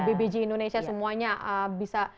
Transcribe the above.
bbg indonesia semuanya bisa